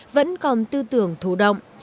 vẫn còn tư tưởng thủ động